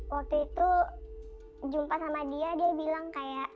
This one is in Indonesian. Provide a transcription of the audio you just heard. waktu itu ketemu dia dia bilang